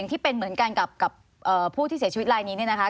ที่เป็นเหมือนกันกับผู้ที่เสียชีวิตลายนี้เนี่ยนะคะ